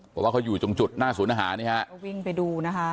เพราะว่าเขาอยู่ตรงจุดหน้าศูนย์อาหารนี่ฮะก็วิ่งไปดูนะคะ